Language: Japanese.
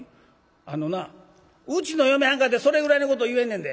「あのなうちの嫁はんかてそれぐらいのこと言えんねんで。